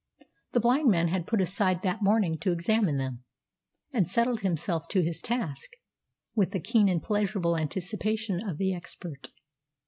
The blind man had put aside that morning to examine them, and settled himself to his task with the keen and pleasurable anticipation of the expert.